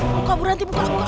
buka buranti buka buka